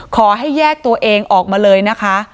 ขอให้แยกตัวเองออกมาเลยนะคะ